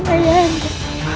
aku mohon ayah handa